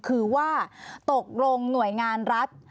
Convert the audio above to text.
คือว่าตกลงหน่วยงานรัฐ